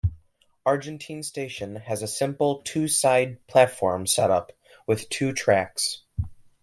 Argentine station has a simple two side-platform setup with two tracks.